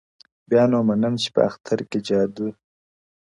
بيا نو منم چي په اختـر كي جــادو،